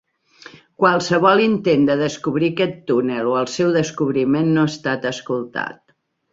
Qualsevol intent de descobrir aquest túnel o el seu descobriment no ha estat escoltat.